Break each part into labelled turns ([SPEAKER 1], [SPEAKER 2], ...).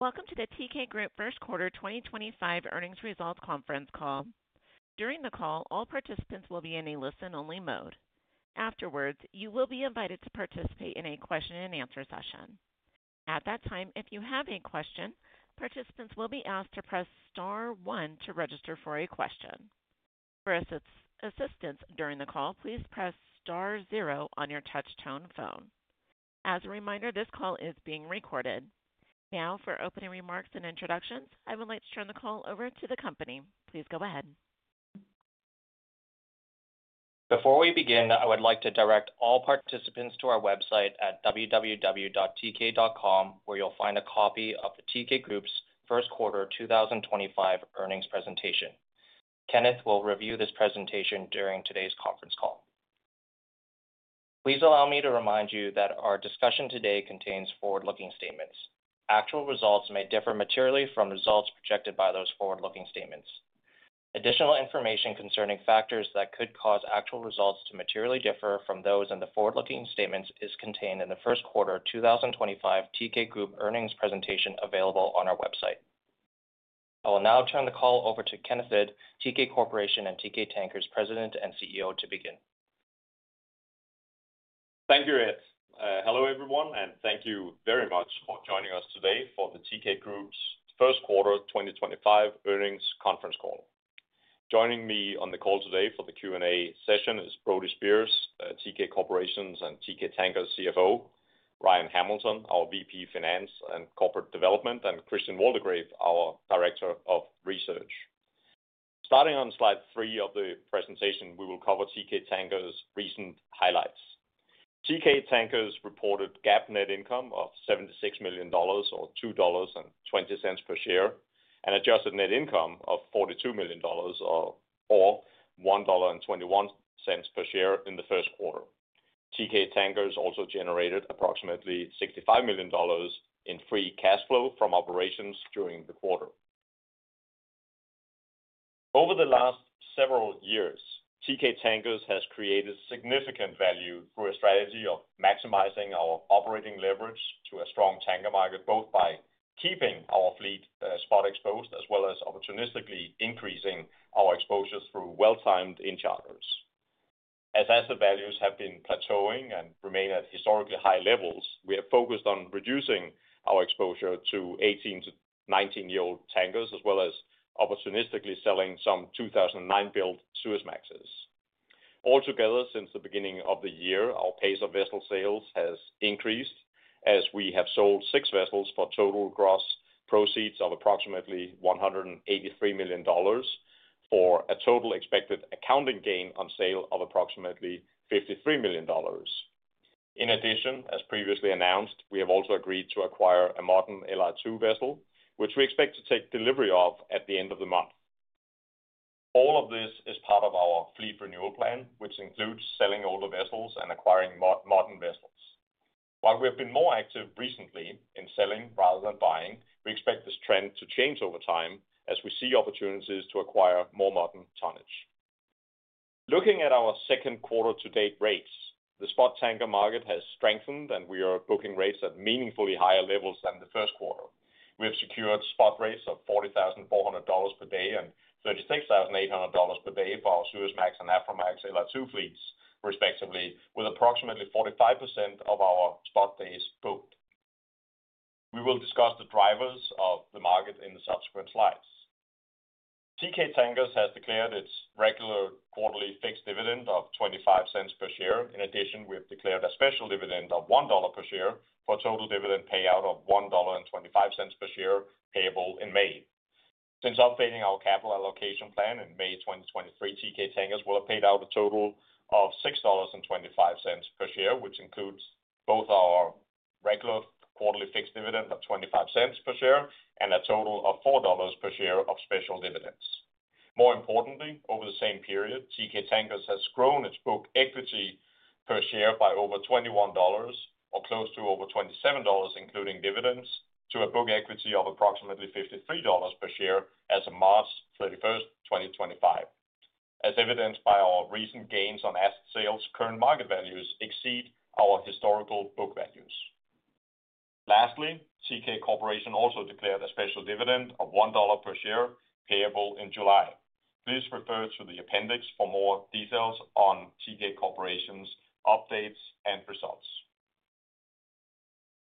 [SPEAKER 1] Welcome to the Teekay Group First Quarter 2025 earnings results conference call. During the call, all participants will be in a listen-only mode. Afterwards, you will be invited to participate in a question-and-answer session. At that time, if you have a question, participants will be asked to press star one to register for a question. For assistance during the call, please press star zero on your touch-tone phone. As a reminder, this call is being recorded. Now, for opening remarks and introductions, I would like to turn the call over to the company. Please go ahead.
[SPEAKER 2] Before we begin, I would like to direct all participants to our website at www.teekay.com, where you'll find a copy of the Teekay Group's First Quarter 2025 earnings presentation. Kenneth will review this presentation during today's conference call. Please allow me to remind you that our discussion today contains forward-looking statements. Actual results may differ materially from results projected by those forward-looking statements. Additional information concerning factors that could cause actual results to materially differ from those in the forward-looking statements is contained in the first quarter 2025 Teekay Group earnings presentation available on our website. I will now turn the call over to Kenneth Hvid, Teekay Corporation and Teekay Tankers President and CEO, to begin.
[SPEAKER 3] Thank you, Ed. Hello, everyone, and thank you very much for joining us today for the Teekay Group's first quarter 2025 earnings conference call. Joining me on the call today for the Q&A session is Brody Speers, Teekay Corporation's and Teekay Tankers' CFO, Ryan Hamilton, our VP Finance and Corporate Development, and Christian Waldegrave, our Director of Research. Starting on slide three of the presentation, we will cover Teekay Tankers' recent highlights. Teekay Tankers reported GAAP net income of $76 million, or $2.20 per share, and adjusted net income of $42 million, or $1.21 per share in the first quarter. Teekay Tankers also generated approximately $65 million in free cash flow from operations during the quarter. Over the last several years, Teekay Tankers has created significant value through a strategy of maximizing our operating leverage to a strong tanker market, both by keeping our fleet spot-exposed as well as opportunistically increasing our exposure through well-timed enchantments. As asset values have been plateauing and remain at historically high levels, we have focused on reducing our exposure to 18- to 19-year-old tankers, as well as opportunistically selling some 2009 built Suezmaxes. Altogether, since the beginning of the year, our pace of vessel sales has increased as we have sold six vessels for total gross proceeds of approximately $183 million for a total expected accounting gain on sale of approximately $53 million. In addition, as previously announced, we have also agreed to acquire a modern LR2 vessel, which we expect to take delivery of at the end of the month. All of this is part of our fleet renewal plan, which includes selling older vessels and acquiring modern vessels. While we have been more active recently in selling rather than buying, we expect this trend to change over time as we see opportunities to acquire more modern tonnage. Looking at our second quarter-to-date rates, the spot tanker market has strengthened, and we are booking rates at meaningfully higher levels than the first quarter. We have secured spot rates of $40,400 per day and $36,800 per day for our Suezmax and Aframax LR2 fleets, respectively, with approximately 45% of our spot days booked. We will discuss the drivers of the market in the subsequent slides. Teekay Tankers has declared its regular quarterly fixed dividend of $0.25 per share. In addition, we have declared a special dividend of $1 per share for a total dividend payout of $1.25 per share payable in May. Since updating our capital allocation plan in May 2023, Teekay Tankers will have paid out a total of $6.25 per share, which includes both our regular quarterly fixed dividend of $0.25 per share and a total of $4 per share of special dividends. More importantly, over the same period, Teekay Tankers has grown its book equity per share by over $21, or close to over $27, including dividends, to a book equity of approximately $53 per share as of March 31st, 2025, as evidenced by our recent gains on asset sales. Current market values exceed our historical book values. Lastly, Teekay Corporation also declared a special dividend of $1 per share payable in July. Please refer to the appendix for more details on Teekay Corporation's updates and results.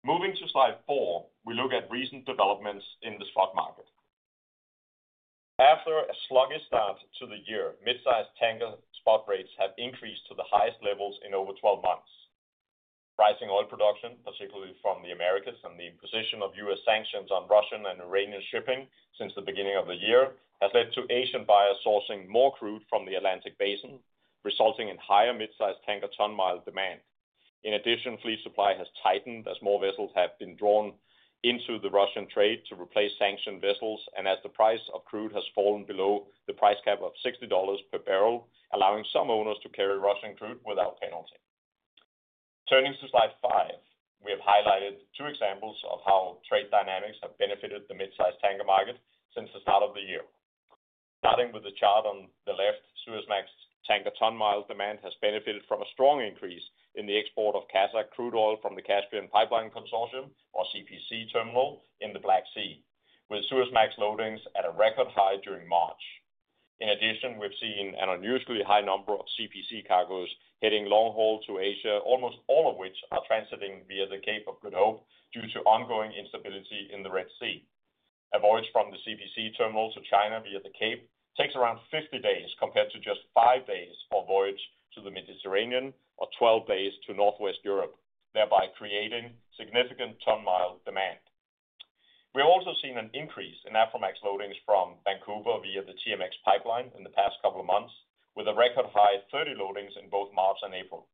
[SPEAKER 3] Moving to slide four, we look at recent developments in the spot market. After a sluggish start to the year, mid-size tanker spot rates have increased to the highest levels in over 12 months. Rising oil production, particularly from the Americas and the imposition of U.S. sanctions on Russian and Iranian shipping since the beginning of the year, has led to Asian buyers sourcing more crude from the Atlantic Basin, resulting in higher mid-size tanker ton-mile demand. In addition, fleet supply has tightened as more vessels have been drawn into the Russian trade to replace sanctioned vessels, and as the price of crude has fallen below the price cap of $60 per barrel, allowing some owners to carry Russian crude without penalty. Turning to slide five, we have highlighted two examples of how trade dynamics have benefited the mid-size tanker market since the start of the year. Starting with the chart on the left, Suezmax tanker ton-mile demand has benefited from a strong increase in the export of Kazakh crude oil from the Caspian Pipeline Consortium, or CPC, terminal in the Black Sea, with Suezmax loadings at a record high during March. In addition, we've seen an unusually high number of CPC cargoes heading long haul to Asia, almost all of which are transiting via the Cape of Good Hope due to ongoing instability in the Red Sea. A voyage from the CPC terminal to China via the Cape takes around 50 days compared to just five days for a voyage to the Mediterranean or 12 days to Northwest Europe, thereby creating significant ton-mile demand. We have also seen an increase in Aframax loadings from Vancouver via the TMX pipeline in the past couple of months, with a record high of 30 loadings in both March and April.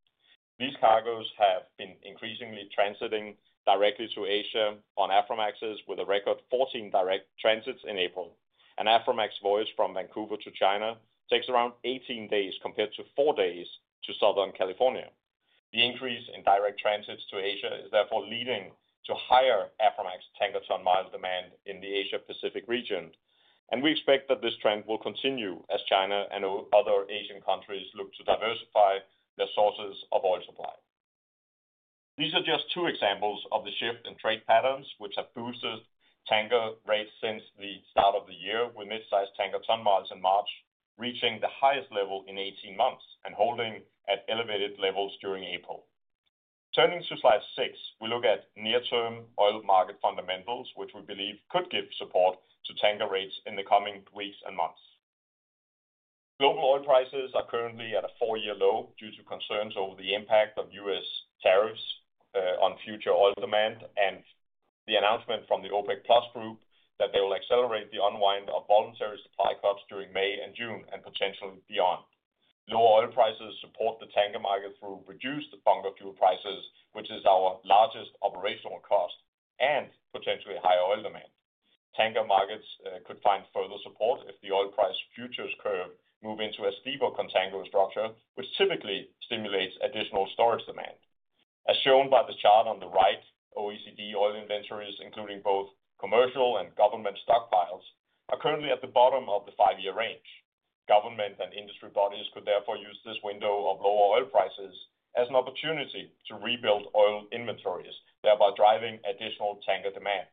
[SPEAKER 3] These cargoes have been increasingly transiting directly to Asia on Aframaxes, with a record 14 direct transits in April. An Aframax voyage from Vancouver to China takes around 18 days compared to four days to Southern California. The increase in direct transits to Asia is therefore leading to higher Aframax tanker ton-mile demand in the Asia Pacific region, and we expect that this trend will continue as China and other Asian countries look to diversify their sources of oil supply. These are just two examples of the shift in trade patterns which have boosted tanker rates since the start of the year, with mid-size tanker ton-miles in March reaching the highest level in 18 months and holding at elevated levels during April. Turning to slide six, we look at near-term oil market fundamentals, which we believe could give support to tanker rates in the coming weeks and months. Global oil prices are currently at a four-year low due to concerns over the impact of U.S. tariffs on future oil demand and the announcement from the OPEC+ group that they will accelerate the unwind of voluntary supply cuts during May and June and potentially beyond. Lower oil prices support the tanker market through reduced bunker fuel prices, which is our largest operational cost and potentially higher oil demand. Tanker markets could find further support if the oil price futures curve move into a steeper contango structure, which typically stimulates additional storage demand. As shown by the chart on the right, OECD oil inventories, including both commercial and government stockpiles, are currently at the bottom of the five-year range. Government and industry bodies could therefore use this window of lower oil prices as an opportunity to rebuild oil inventories, thereby driving additional tanker demand.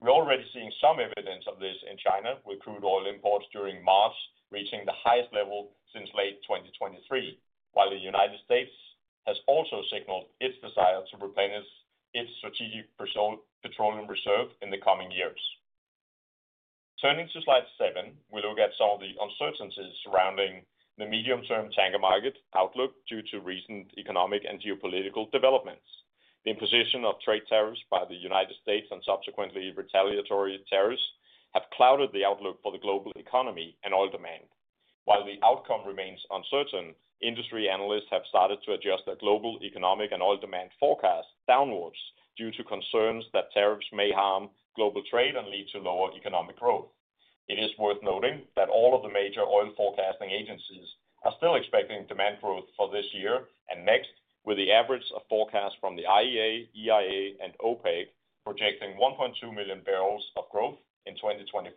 [SPEAKER 3] We're already seeing some evidence of this in China, with crude oil imports during March reaching the highest level since late 2023, while the U.S. has also signaled its desire to replenish its strategic petroleum reserve in the coming years. Turning to slide seven, we look at some of the uncertainties surrounding the medium-term tanker market outlook due to recent economic and geopolitical developments. The imposition of trade tariffs by the United States and subsequently retaliatory tariffs have clouded the outlook for the global economy and oil demand. While the outcome remains uncertain, industry analysts have started to adjust their global economic and oil demand forecasts downwards due to concerns that tariffs may harm global trade and lead to lower economic growth. It is worth noting that all of the major oil forecasting agencies are still expecting demand growth for this year and next, with the average forecast from the IEA, EIA, and OPEC projecting 1.2 million barrels of growth in 2025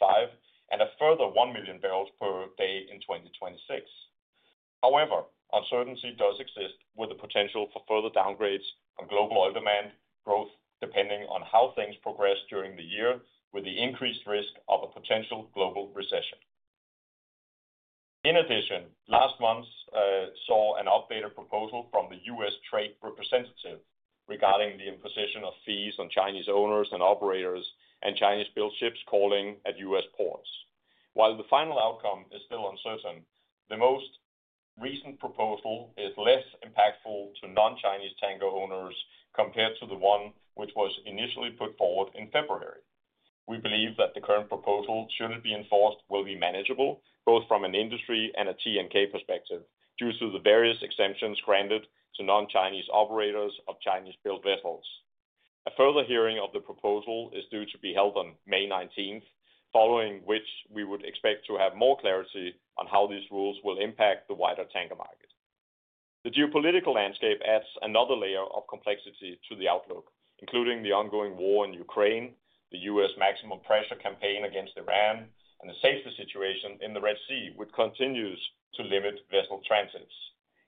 [SPEAKER 3] and a further 1 million barrels per day in 2026. However, uncertainty does exist, with the potential for further downgrades on global oil demand growth depending on how things progress during the year, with the increased risk of a potential global recession. In addition, last month saw an updated proposal from the U.S. Trade Representative regarding the imposition of fees on Chinese owners and operators and Chinese-built ships calling at U.S. ports. While the final outcome is still uncertain, the most recent proposal is less impactful to non-Chinese tanker owners compared to the one which was initially put forward in February. We believe that the current proposal, should it be enforced, will be manageable both from an industry and a TNK perspective due to the various exemptions granted to non-Chinese operators of Chinese-built vessels. A further hearing of the proposal is due to be held on May 19, following which we would expect to have more clarity on how these rules will impact the wider tanker market. The geopolitical landscape adds another layer of complexity to the outlook, including the ongoing war in Ukraine, the U.S. Maximum pressure campaign against Iran, and the safety situation in the Red Sea, which continues to limit vessel transits.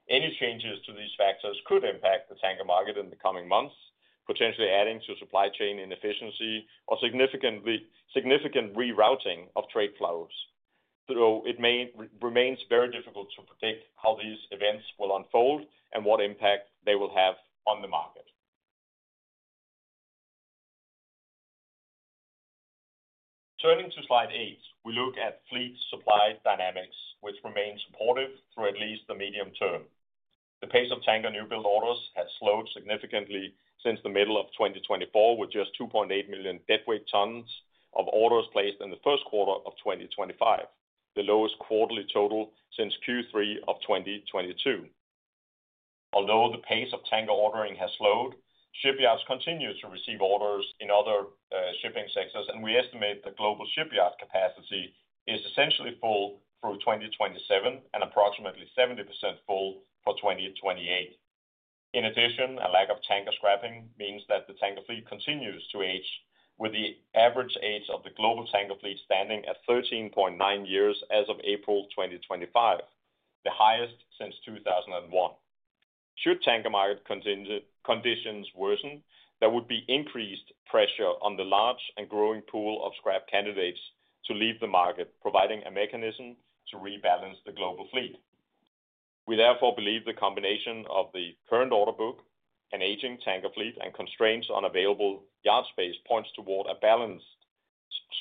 [SPEAKER 3] Any changes to these factors could impact the tanker market in the coming months, potentially adding to supply chain inefficiency or significant rerouting of trade flows, though it remains very difficult to predict how these events will unfold and what impact they will have on the market. Turning to slide eight, we look at fleet supply dynamics, which remain supportive through at least the medium term. The pace of tanker new build orders has slowed significantly since the middle of 2024, with just 2.8 million deadweight tons of orders placed in the first quarter of 2025, the lowest quarterly total since Q3 of 2022. Although the pace of tanker ordering has slowed, shipyards continue to receive orders in other shipping sectors, and we estimate the global shipyard capacity is essentially full through 2027 and approximately 70% full for 2028. In addition, a lack of tanker scrapping means that the tanker fleet continues to age, with the average age of the global tanker fleet standing at 13.9 years as of April 2025, the highest since 2001. Should tanker market conditions worsen, there would be increased pressure on the large and growing pool of scrap candidates to leave the market, providing a mechanism to rebalance the global fleet. We therefore believe the combination of the current order book, an aging tanker fleet, and constraints on available yard space points toward a balanced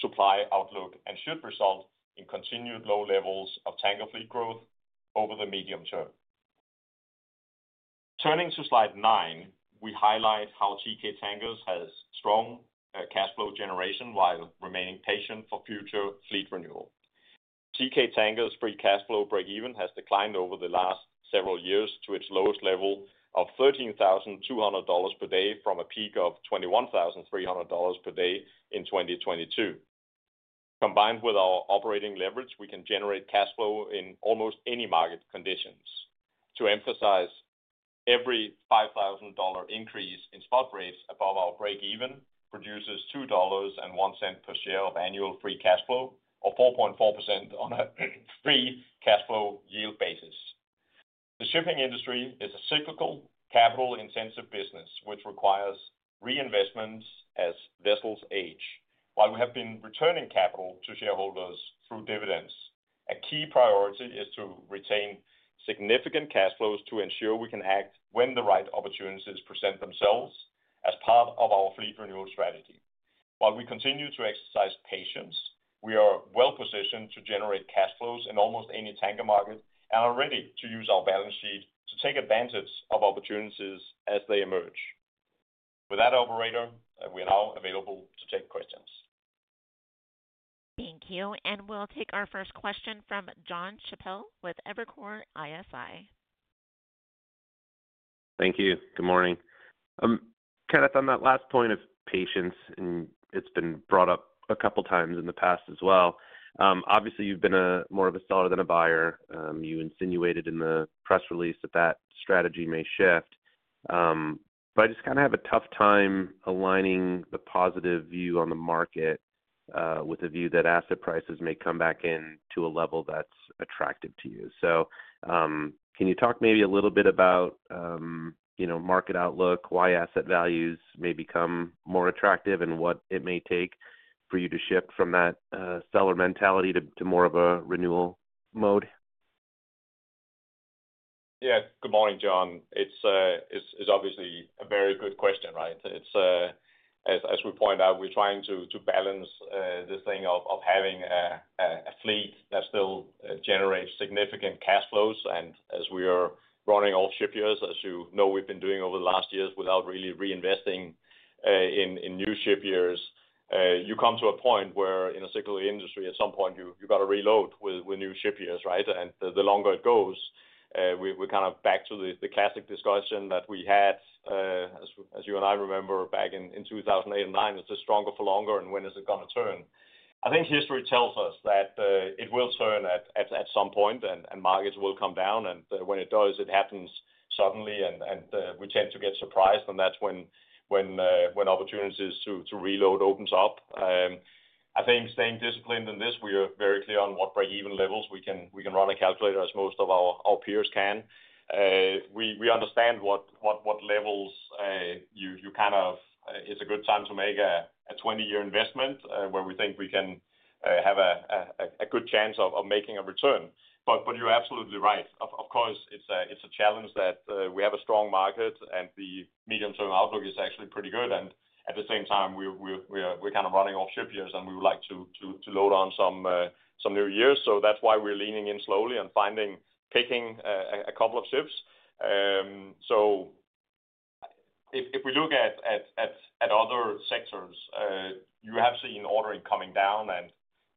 [SPEAKER 3] supply outlook and should result in continued low levels of tanker fleet growth over the medium term. Turning to slide nine, we highlight how Teekay Tankers has strong cash flow generation while remaining patient for future fleet renewal. Teekay Tankers' free cash flow break-even has declined over the last several years to its lowest level of $13,200 per day from a peak of $21,300 per day in 2022. Combined with our operating leverage, we can generate cash flow in almost any market conditions. To emphasize, every $5,000 increase in spot rates above our break-even produces $2.01 per share of annual free cash flow, or 4.4% on a free cash flow yield basis. The shipping industry is a cyclical, capital-intensive business, which requires reinvestments as vessels age. While we have been returning capital to shareholders through dividends, a key priority is to retain significant cash flows to ensure we can act when the right opportunities present themselves as part of our fleet renewal strategy. While we continue to exercise patience, we are well-positioned to generate cash flows in almost any tanker market and are ready to use our balance sheet to take advantage of opportunities as they emerge. With that, operator, we are now available to take questions.
[SPEAKER 1] Thank you. We'll take our first question from Jon Chappell with Evercore ISI.
[SPEAKER 4] Thank you. Good morning. Kevin, on that last point of patience, and it has been brought up a couple of times in the past as well. Obviously, you have been more of a seller than a buyer. You insinuated in the press release that that strategy may shift. I just kind of have a tough time aligning the positive view on the market with a view that asset prices may come back into a level that is attractive to you. Can you talk maybe a little bit about market outlook, why asset values may become more attractive, and what it may take for you to shift from that seller mentality to more of a renewal mode?
[SPEAKER 3] Yeah. Good morning, Jon. It's obviously a very good question, right? As we point out, we're trying to balance this thing of having a fleet that still generates significant cash flows. And as we are running off ship years, as you know we've been doing over the last years without really reinvesting in new ship years, you come to a point where in a cyclical industry, at some point, you've got to reload with new ship years, right? The longer it goes, we're kind of back to the classic discussion that we had, as you and I remember, back in 2008 and 2009, is this stronger for longer, and when is it going to turn? I think history tells us that it will turn at some point, and markets will come down. When it does, it happens suddenly, and we tend to get surprised. That's when opportunities to reload open up. I think staying disciplined in this, we are very clear on what break-even levels we can run a calculator, as most of our peers can. We understand what levels you kind of—it's a good time to make a 20-year investment where we think we can have a good chance of making a return. You're absolutely right. Of course, it's a challenge that we have a strong market, and the medium-term outlook is actually pretty good. At the same time, we're kind of running off ship years, and we would like to load on some new years. That's why we're leaning in slowly and picking a couple of ships. If we look at other sectors, you have seen ordering coming down.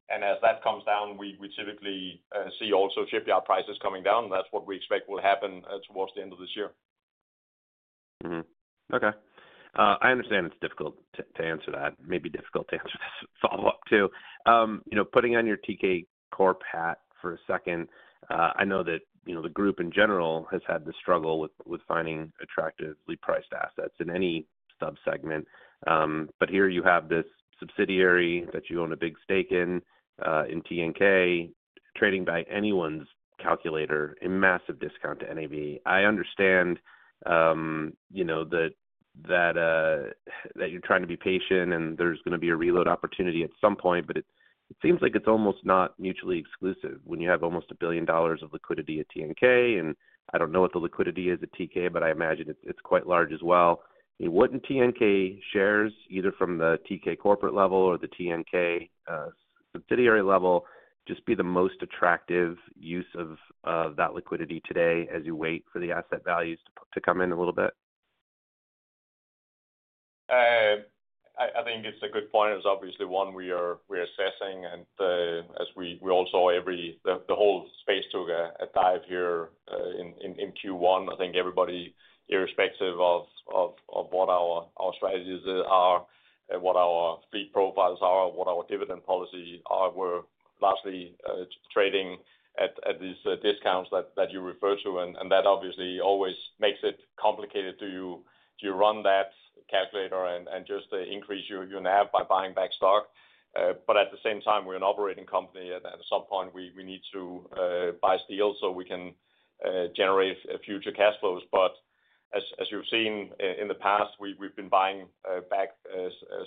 [SPEAKER 3] As that comes down, we typically see also shipyard prices coming down. That's what we expect will happen towards the end of this year.
[SPEAKER 4] Okay. I understand it's difficult to answer that. Maybe difficult to answer this follow-up too. Putting on your Teekay Corp hat for a second, I know that the group in general has had to struggle with finding attractively priced assets in any subsegment. Here you have this subsidiary that you own a big stake in, in TNK, trading by anyone's calculator, a massive discount to NAV. I understand that you're trying to be patient, and there's going to be a reload opportunity at some point, but it seems like it's almost not mutually exclusive when you have almost $1 billion of liquidity at TNK. I don't know what the liquidity is at Teekay, but I imagine it's quite large as well. Wouldn't TNK shares, either from the Teekay corporate level or the TNK subsidiary level, just be the most attractive use of that liquidity today as you wait for the asset values to come in a little bit?
[SPEAKER 3] I think it's a good point. It's obviously one we are assessing. As we all saw, the whole space took a dive here in Q1. I think everybody, irrespective of what our strategies are, what our fleet profiles are, what our dividend policies are, we're largely trading at these discounts that you refer to. That obviously always makes it complicated. Do you run that calculator and just increase your NAV by buying back stock? At the same time, we're an operating company. At some point, we need to buy steel so we can generate future cash flows. As you've seen in the past, we've been buying back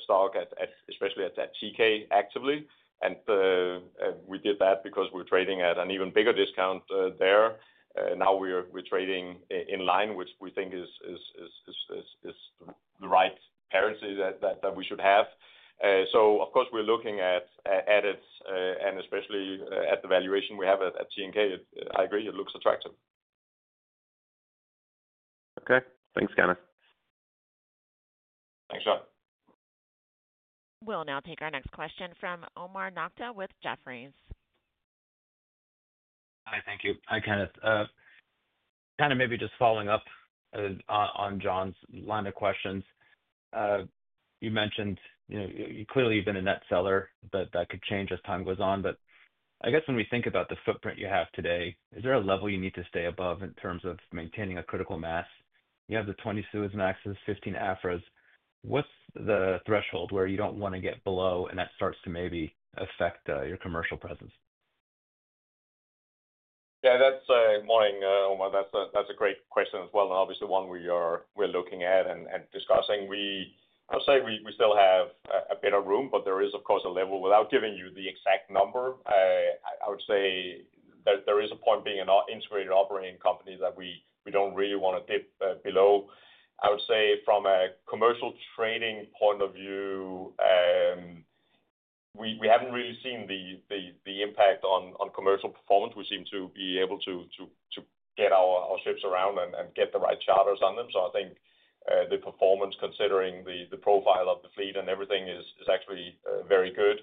[SPEAKER 3] stock, especially at Teekay, actively. We did that because we were trading at an even bigger discount there. Now we're trading in line, which we think is the right currency that we should have. Of course, we're looking at it, and especially at the valuation we have at TNK. I agree. It looks attractive.
[SPEAKER 4] Okay. Thanks, Kenneth.
[SPEAKER 3] Thanks, Jon.
[SPEAKER 1] We'll now take our next question from Omar Nokta with Jefferies.
[SPEAKER 5] Hi. Thank you. Hi, Kenneth. Kind of maybe just following up on Jon's line of questions. You mentioned clearly you've been a net seller, but that could change as time goes on. I guess when we think about the footprint you have today, is there a level you need to stay above in terms of maintaining a critical mass? You have the 20 Suezmax, the 15 Afras. What's the threshold where you don't want to get below, and that starts to maybe affect your commercial presence?
[SPEAKER 3] Yeah. That's a great question as well. Obviously, one we are looking at and discussing. I would say we still have a bit of room, but there is, of course, a level. Without giving you the exact number, I would say there is a point being an integrated operating company that we do not really want to dip below. I would say from a commercial trading point of view, we have not really seen the impact on commercial performance. We seem to be able to get our ships around and get the right charters on them. I think the performance, considering the profile of the fleet and everything, is actually very good,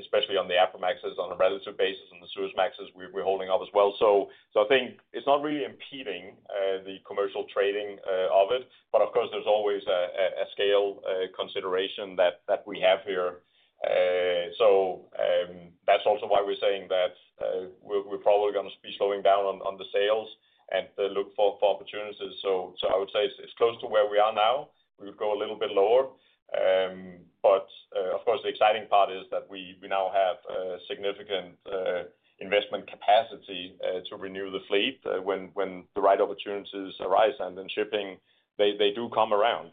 [SPEAKER 3] especially on the Aframaxes on a relative basis. On the Suezmaxes, we are holding up as well. I think it is not really impeding the commercial trading of it. Of course, there is always a scale consideration that we have here. That is also why we are saying that we are probably going to be slowing down on the sales and look for opportunities. I would say it is close to where we are now. We would go a little bit lower. Of course, the exciting part is that we now have significant investment capacity to renew the fleet when the right opportunities arise. In shipping, they do come around.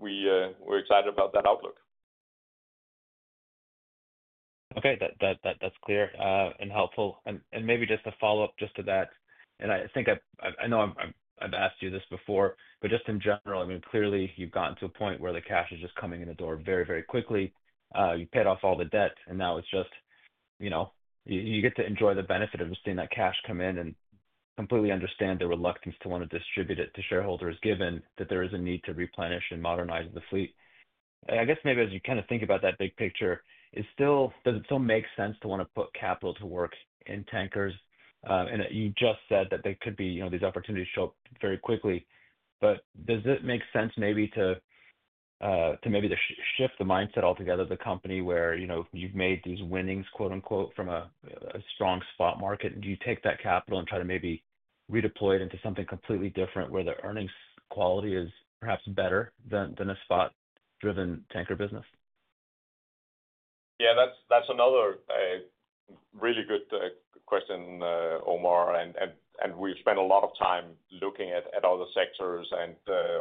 [SPEAKER 3] We are excited about that outlook.
[SPEAKER 5] Okay. That is clear and helpful. Maybe just a follow-up to that. I think I know I have asked you this before, but just in general, I mean, clearly, you have gotten to a point where the cash is just coming in the door very, very quickly. You paid off all the debt, and now you get to enjoy the benefit of just seeing that cash come in and completely understand the reluctance to want to distribute it to shareholders, given that there is a need to replenish and modernize the fleet. I guess maybe as you kind of think about that big picture, does it still make sense to want to put capital to work in tankers? You just said that there could be these opportunities show up very quickly. Does it make sense maybe to maybe shift the mindset altogether of the company where you've made these winnings, quote-unquote, from a strong spot market? Do you take that capital and try to maybe redeploy it into something completely different where the earnings quality is perhaps better than a spot-driven tanker business?
[SPEAKER 3] Yeah. That's another really good question, Omar. We've spent a lot of time looking at other sectors and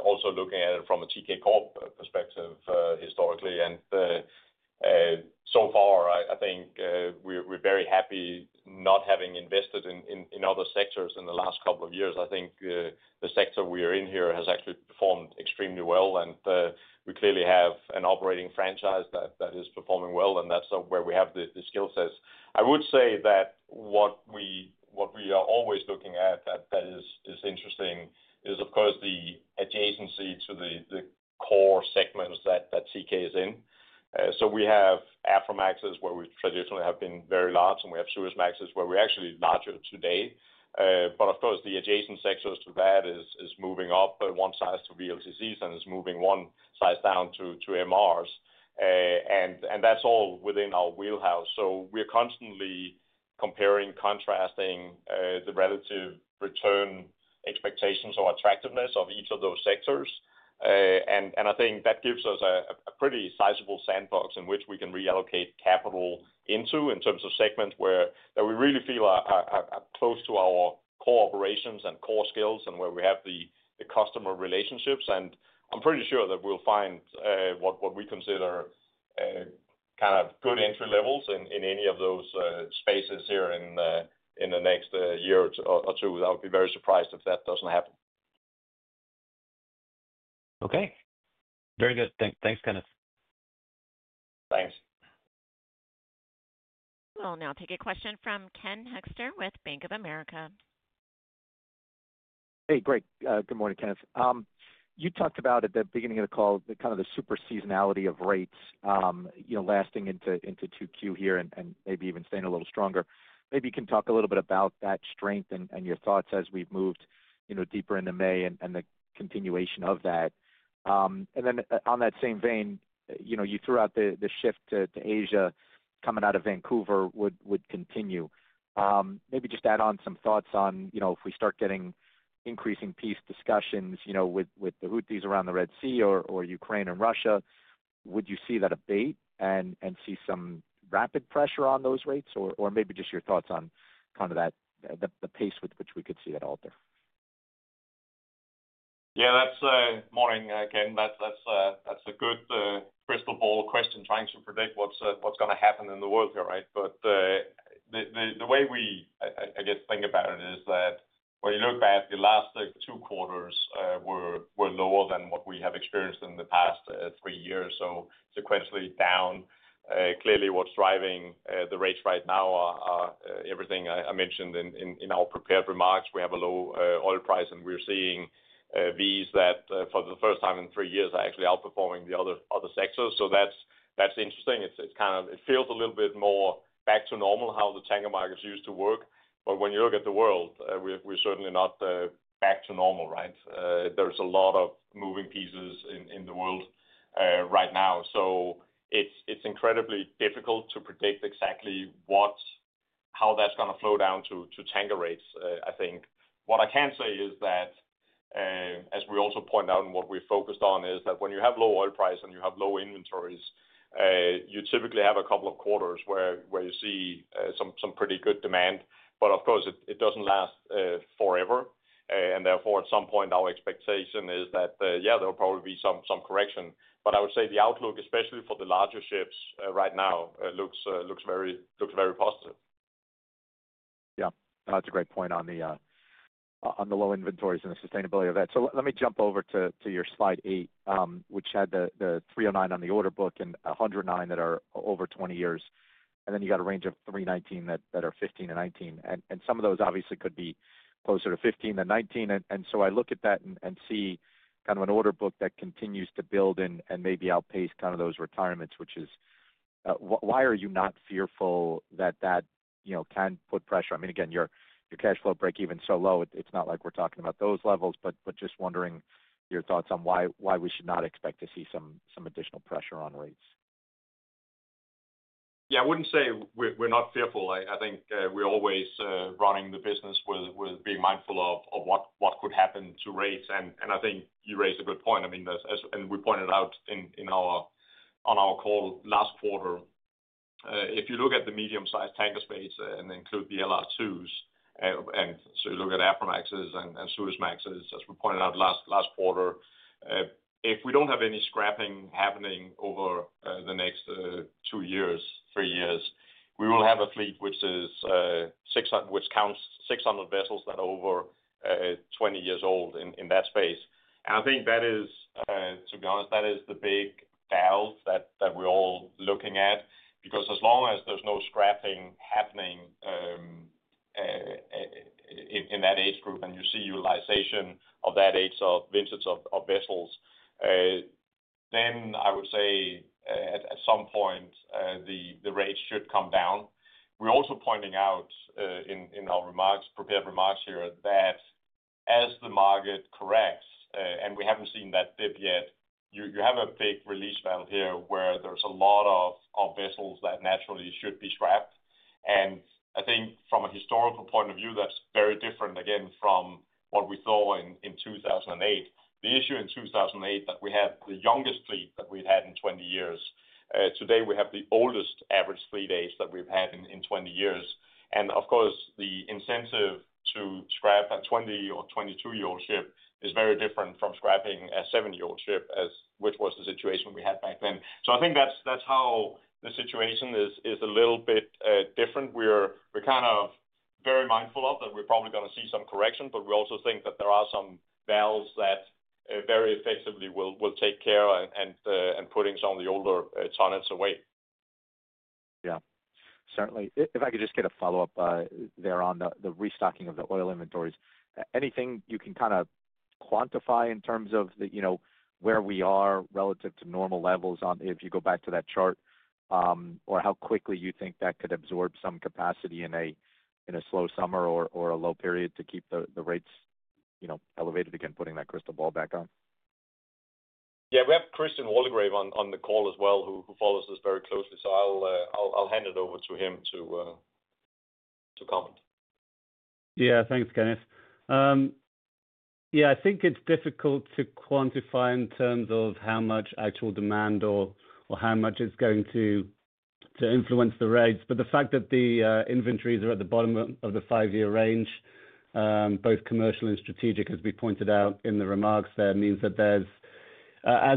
[SPEAKER 3] also looking at it from a Teekay Corp perspective historically. So far, I think we're very happy not having invested in other sectors in the last couple of years. I think the sector we are in here has actually performed extremely well. We clearly have an operating franchise that is performing well, and that's where we have the skill sets. I would say that what we are always looking at that is interesting is, of course, the adjacency to the core segments that Teekay is in. We have Aframaxes where we traditionally have been very large, and we have Suezmaxes where we're actually larger today. Of course, the adjacent sectors to that is moving up one size to VLCCs and is moving one size down to MRs. That's all within our wheelhouse. We're constantly comparing, contrasting the relative return expectations or attractiveness of each of those sectors. I think that gives us a pretty sizable sandbox in which we can reallocate capital into in terms of segments where we really feel close to our core operations and core skills and where we have the customer relationships. I'm pretty sure that we'll find what we consider kind of good entry levels in any of those spaces here in the next year or two. I would be very surprised if that does not happen.
[SPEAKER 5] Okay. Very good. Thanks, Kenneth.
[SPEAKER 3] Thanks.
[SPEAKER 1] We'll now take a question from Ken Hoexter with Bank of America.
[SPEAKER 6] Hey, Great. Good morning, Kenneth. You talked about at the beginning of the call kind of the super seasonality of rates lasting into Q2 here and maybe even staying a little stronger. Maybe you can talk a little bit about that strength and your thoughts as we've moved deeper into May and the continuation of that. On that same vein, you threw out the shift to Asia coming out of Vancouver would continue. Maybe just add on some thoughts on if we start getting increasing peace discussions with the Houthis around the Red Sea or Ukraine and Russia, would you see that abate and see some rapid pressure on those rates? Maybe just your thoughts on kind of the pace with which we could see that alter?
[SPEAKER 3] Yeah. Morning, Ken. That is a good crystal ball question, trying to predict what's going to happen in the world here, right? The way we, I guess, think about it is that when you look back, the last two quarters were lower than what we have experienced in the past three years, so sequentially down. Clearly, what's driving the rates right now are everything I mentioned in our prepared remarks. We have a low oil price, and we're seeing these that for the first time in three years are actually outperforming the other sectors. That's interesting. It feels a little bit more back to normal how the tanker markets used to work. When you look at the world, we're certainly not back to normal, right? There's a lot of moving pieces in the world right now. It's incredibly difficult to predict exactly how that's going to flow down to tanker rates, I think. What I can say is that, as we also point out and what we've focused on, is that when you have low oil price and you have low inventories, you typically have a couple of quarters where you see some pretty good demand. Of course, it doesn't last forever. Therefore, at some point, our expectation is that, yeah, there'll probably be some correction. I would say the outlook, especially for the larger ships right now, looks very positive.
[SPEAKER 6] Yeah. That's a great point on the low inventories and the sustainability of that. Let me jump over to your slide eight, which had the 309 on the order book and 109 that are over 20 years. Then you got a range of 319 that are 15-19. Some of those obviously could be closer to 15 than 19. I look at that and see kind of an order book that continues to build and maybe outpace kind of those retirements, which is why are you not fearful that that can put pressure? I mean, again, your cash flow break-even is so low, it's not like we're talking about those levels. Just wondering your thoughts on why we should not expect to see some additional pressure on rates.
[SPEAKER 3] Yeah. I would not say we are not fearful. I think we are always running the business with being mindful of what could happen to rates. I think you raise a good point. I mean, and we pointed out on our call last quarter, if you look at the medium-sized tanker space and include the LR2s, and so you look at Aframaxes and Suezmaxes, as we pointed out last quarter, if we do not have any scrapping happening over the next two years, three years, we will have a fleet which counts 600 vessels that are over 20 years old in that space. I think that is, to be honest, that is the big valve that we are all looking at. Because as long as there's no scrapping happening in that age group and you see utilization of that age of vintage of vessels, then I would say at some point, the rates should come down. We're also pointing out in our prepared remarks here that as the market corrects and we haven't seen that dip yet, you have a big release valve here where there's a lot of vessels that naturally should be scrapped. I think from a historical point of view, that's very different, again, from what we saw in 2008. The issue in 2008 was that we had the youngest fleet that we'd had in 20 years. Today, we have the oldest average fleet age that we've had in 20 years. Of course, the incentive to scrap a 20- or 22-year-old ship is very different from scrapping a 7-year-old ship, which was the situation we had back then. I think that is how the situation is a little bit different. We are kind of very mindful of that. We are probably going to see some correction, but we also think that there are some valves that very effectively will take care and put some of the older tonnage away.
[SPEAKER 6] Yeah. Certainly. If I could just get a follow-up there on the restocking of the oil inventories, anything you can kind of quantify in terms of where we are relative to normal levels if you go back to that chart or how quickly you think that could absorb some capacity in a slow summer or a low period to keep the rates elevated again, putting that crystal ball back on?
[SPEAKER 3] Yeah. We have Christian Waldegrave on the call as well, who follows us very closely. So I'll hand it over to him to comment.
[SPEAKER 7] Yeah. Thanks, Kenneth. Yeah. I think it's difficult to quantify in terms of how much actual demand or how much it's going to influence the rates. The fact that the inventories are at the bottom of the five-year range, both commercial and strategic, as we pointed out in the remarks there, means that as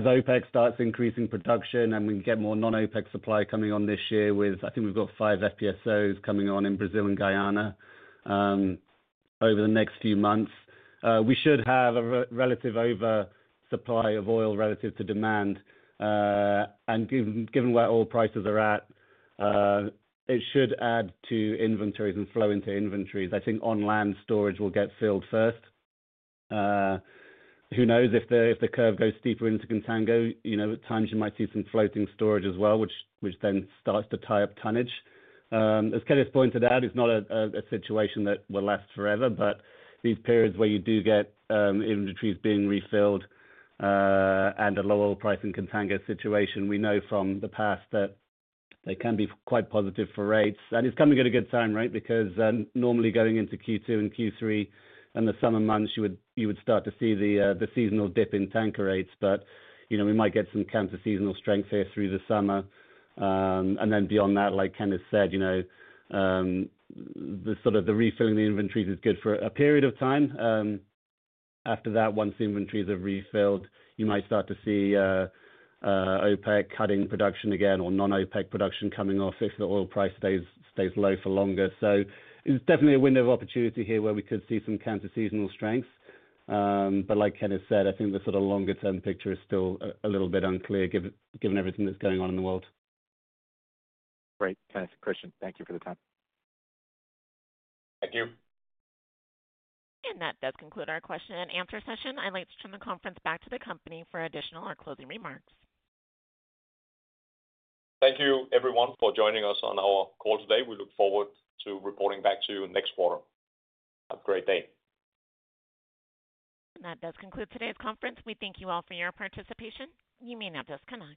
[SPEAKER 7] OPEC starts increasing production and we get more non-OPEC supply coming on this year with, I think we've got five FPSOs coming on in Brazil and Guyana over the next few months, we should have a relative oversupply of oil relative to demand. Given where oil prices are at, it should add to inventories and flow into inventories. I think on-land storage will get filled first. Who knows if the curve goes steeper into contango, at times you might see some floating storage as well, which then starts to tie up tonnage. As Kenneth pointed out, it's not a situation that will last forever. These periods where you do get inventories being refilled and a low oil price in a contango situation, we know from the past that they can be quite positive for rates. It's coming at a good time, right? Normally going into Q2 and Q3 and the summer months, you would start to see the seasonal dip in tanker rates. We might get some counter-seasonal strength here through the summer. Beyond that, like Kenneth said, sort of the refilling of the inventories is good for a period of time. After that, once the inventories are refilled, you might start to see OPEC cutting production again or non-OPEC production coming off if the oil price stays low for longer. It is definitely a window of opportunity here where we could see some counter-seasonal strength. Like Kenneth said, I think the sort of longer-term picture is still a little bit unclear given everything that is going on in the world.
[SPEAKER 6] Great. Kenneth, Christian, thank you for the time.
[SPEAKER 3] Thank you.
[SPEAKER 1] That does conclude our question and answer session. I would like to turn the conference back to the company for additional or closing remarks.
[SPEAKER 3] Thank you, everyone, for joining us on our call today. We look forward to reporting back to you next quarter. Have a great day.
[SPEAKER 1] That does conclude today's conference. We thank you all for your participation. You may now disconnect.